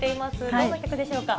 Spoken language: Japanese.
どんな曲でしょうか。